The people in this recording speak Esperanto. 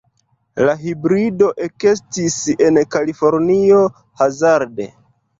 La hibrido ekestis en Kalifornio hazarde.